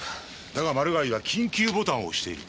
だがマルガイは緊急ボタンを押している。